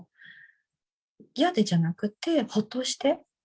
嫌でなくて、ほっとして。